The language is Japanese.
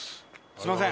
すいません。